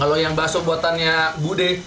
kalau yang bakso buatannya bu de